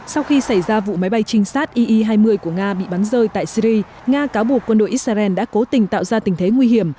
sau khi xảy ra vụ máy bay trinh sát ie hai mươi của nga bị bắn rơi tại syri nga cáo buộc quân đội israel đã cố tình tạo ra tình thế nguy hiểm